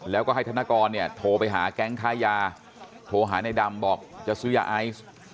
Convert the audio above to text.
แล้วก็ให้ธนกรเนี่ยโทรไปหาแก๊งค้ายาโทรหาในดำบอกจะซื้อยาไอซ์